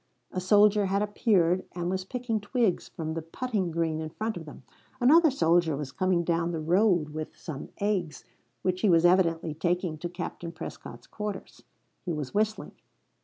A soldier had appeared and was picking twigs from the putting green in front of them; another soldier was coming down the road with some eggs which he was evidently taking to Captain Prescott's quarters. He was whistling.